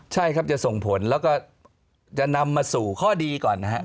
ใช่ครับจะส่งผลแล้วก็จะนำมาสู่ข้อดีก่อนนะครับ